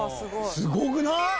すごくない？